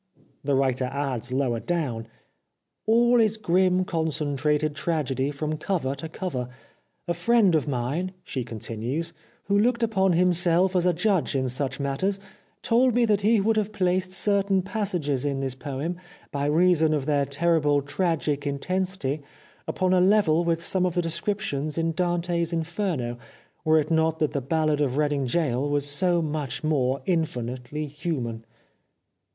The writer adds lower down :" All is grim concentrated tragedy from cover to cover. A friend of mine," she continues, " who looked upon himself as a judge in such matters, told me that he would have placed certain passages in this poem, by reason of their terrible, tragic intensity, upon a level with some of the descriptions in Dante's * Inferno,' were it not that ' The Ballad of Reading Gaol ' was so much more infinitely human."